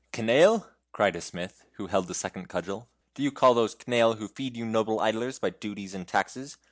Canaille!" cried a smith, who held the second cudgel. "Do you call those canaille who feed you noble idlers by duties and taxes?